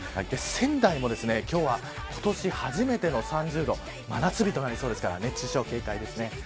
仙台も今日は今年初めての３０度真夏日となりそうですから熱中症に警戒です。